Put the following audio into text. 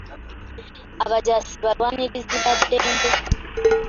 Abajaasi balwanirizi ba ddembe.